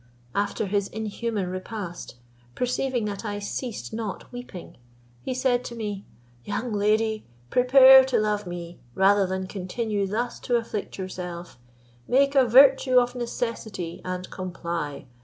After his inhuman repast, perceiving that I ceased not weeping, he said to me, "Young lady, prepare to love me, rather than continue thus to afflict yourself. Make a virtue of necessity, and comply.